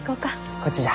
こっちじゃ。